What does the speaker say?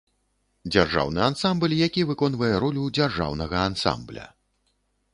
Дзяржаўны ансамбль, які выконвае ролю дзяржаўнага ансамбля.